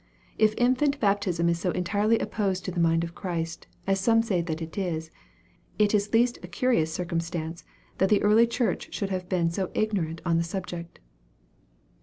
If infant baptism is so entirely opposed to the mind of Christ, as some say that it is, it is least a curious circumstance, that the early church should have been so ignorant on the subject.